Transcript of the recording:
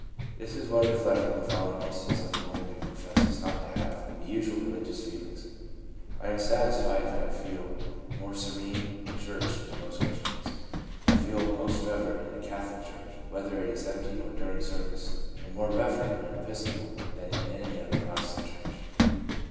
This is well reflected in the following instance of a woman who professes not to have the usual religious feelings ;' I am satisfied that I feel more serene in church than most Christians. I feel most reverent in a Catholic church, whether it is empty or during service; and more reverent in an Episcopal than in any other Protestant church.